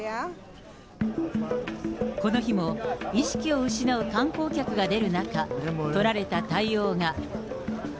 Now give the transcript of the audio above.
この日も、意識を失う観光客が出る中、取られた対応が。